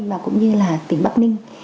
và cũng như là tỉnh bắc ninh